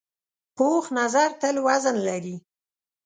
پوخ نظر تل وزن لري